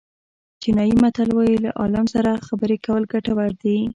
چینایي متل وایي له عالم سره خبرې کول ګټور دي.